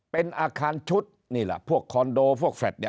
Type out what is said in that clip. เป็นอาคารชุดนี่แหละพวกคอนโดพวกแฟลตเนี่ย